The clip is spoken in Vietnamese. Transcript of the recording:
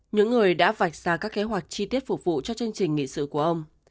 những người đã vạch ra các kế hoạch chi tiết phục vụ cho chương trình nghị sự của ông